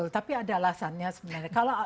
tapi ada alasannya sebenarnya